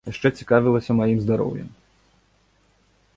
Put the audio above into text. Яшчэ цікавілася маім здароўем.